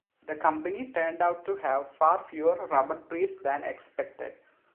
The company turned out to have far fewer rubber trees than expected.